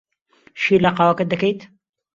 شیر لە قاوەکەت دەکەیت؟